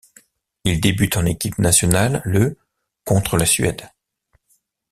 Il débute en équipe nationale le contre la Suède.